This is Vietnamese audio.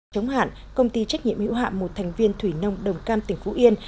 chống hạn công ty trách nhiệm hữu hạm một thành viên thủy nông đồng cam tỉnh phú yên